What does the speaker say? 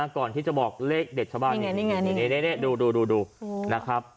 ก่อนที่จะบอกเลขเด็ดชาวบ้านนี่ดูนะครับ